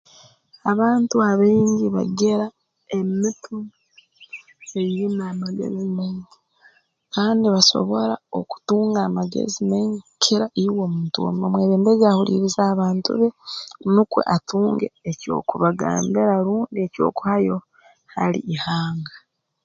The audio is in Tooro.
Abantu abaingi bagira emitwe eyiina amagezi maingi kandi nibasobora okutunga amagezi maingi kukira iwe omuntu omwebembezi ahuliiriza abantu be nukwe atunge eky'okubagambira rundi eky'okuhayo hali ihanga